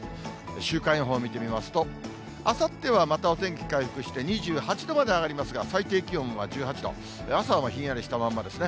週間予報見てみますと、あさってはまたお天気回復して２８度まで上がりますが、最低気温は１８度、朝はひんやりしたまんまですね。